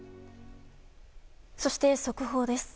そして、速報です。